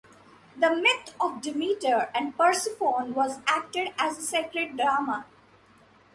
The myth of Demeter and Persephone was acted as a sacred drama.